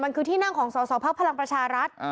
มันคือที่นั่งของสอสอภักดิ์พลังประชารัฐ